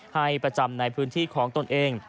ให้ประจำในพื้นที่ของตนเอง